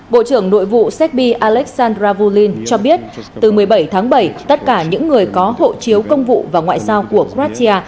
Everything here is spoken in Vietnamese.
bộ trưởng đội vụ segb aleksandr vulin cho biết từ một mươi bảy tháng bảy tất cả những người có hộ chiếu công vụ và ngoại giao của kratia